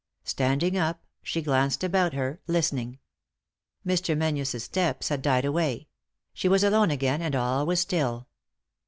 Standing up, she glanced about her, listening, Mr. Menzies' footsteps had died away — she was alone again, and all was still.